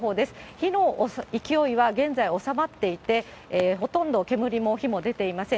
火の勢いは現在収まっていて、ほとんど煙も火も出ていません。